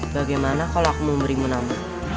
bagaimana kalau aku memberimu nama